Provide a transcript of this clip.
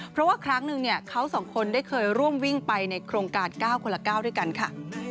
เพราะว่าครั้งหนึ่งเขาสองคนได้เคยร่วมวิ่งไปในโครงการ๙คนละ๙ด้วยกันค่ะ